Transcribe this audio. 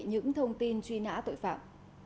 những thông tin truy nã tội phạm